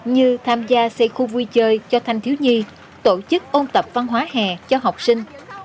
như tham gia xây khu vui chơi cho thanh thiếu nhi tổ chức ôn tập văn hóa hè cho học sinh